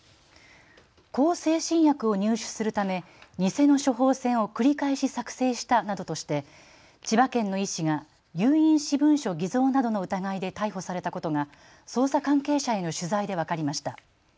向精神薬を入手するため偽の処方箋を繰り返し作成したなどとして千葉県の医師が有印私文書偽造などの疑いで逮捕されたことが捜査関係者への取材で分かりました。